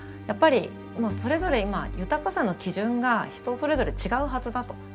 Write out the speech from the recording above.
やっぱりそれぞれ今豊かさの基準が人それぞれ違うはずだと。